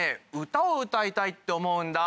歌を歌いたいって思うんだ。